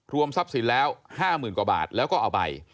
ทรัพย์สินแล้ว๕๐๐๐กว่าบาทแล้วก็เอาไป